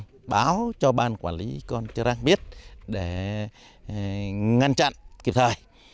được báo cho ban quản lý con trư răng biết để ngăn chặn kịp thời